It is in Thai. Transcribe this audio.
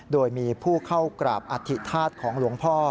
โดยมีผู้เข้ากราบอธิธาตุของหลวงพ่อ